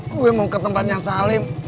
gue mau ke tempatnya salim